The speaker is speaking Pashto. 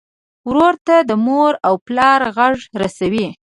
ورور ته د مور او پلار غږ رسوې.